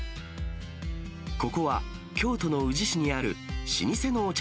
ここは京都の宇治市にある老舗のお茶